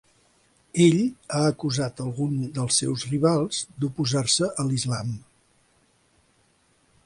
Ell ha acusat alguns dels seus rivals d"oposar-se a l'Islam.